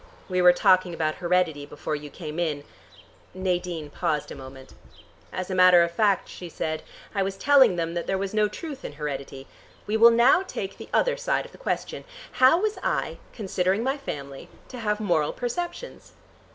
We were talking about heredity before you came in " Nadine paused a moment. "As a matter of fact," she said, "I was telling them that there was no truth in heredity. We will now take the other side of the question. How was I, considering my family, to have moral perceptions?"